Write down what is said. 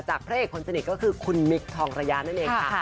พระเอกคนสนิทก็คือคุณมิคทองระยะนั่นเองค่ะ